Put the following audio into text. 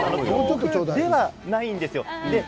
それではないんですよ。